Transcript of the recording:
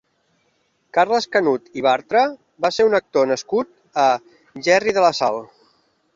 Carles Canut i Bartra va ser un actor nascut a Gerri de la Sal.